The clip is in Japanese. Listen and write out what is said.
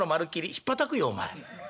「ひっぱたくよお前。お前何？